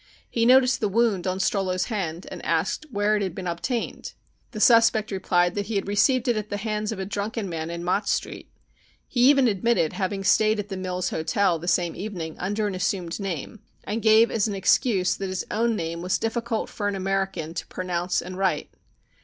He noticed the wound on Strollo's hand and asked where it had been obtained. The suspect replied that he had received it at the hands of a drunken man in Mott Street. He even admitted having stayed at the Mills Hotel the same evening under an assumed name, and gave as an excuse that his own name was difficult for an American to pronounce and write.